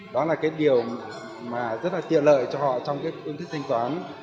đó là cái điều mà rất là tiện lợi cho họ trong cái phương thức thanh toán